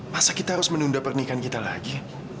masa kita harus menunda pernikahan kita lagi